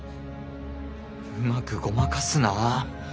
うまくごまかすなぁ。